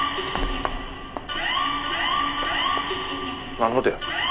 何の音や。